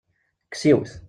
Kkes yiwet!